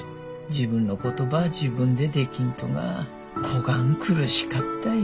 自分のことば自分でできんとがこがん苦しかったいね。